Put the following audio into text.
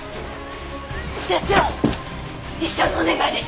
社長一生のお願いです。